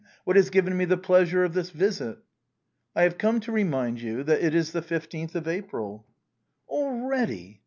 What has given me the pleasure of this visit ?"" I have come to remind you that it is the loth of April." "Already!